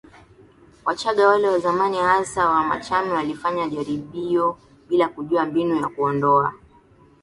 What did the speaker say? Wachagga wale wa zamani hasa wa Machame walifanya jaribio bila kujua mbinu ya kuondoa